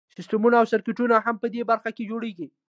سیسټمونه او سرکټونه هم په دې برخه کې جوړیږي.